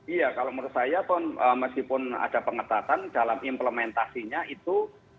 iya kalau menurut saya meskipun ada pengetatan dalam implementasinya itu